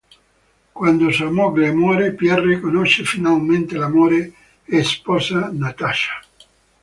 Quando sua moglie muore Pierre conosce finalmente l'amore e sposa Nataša.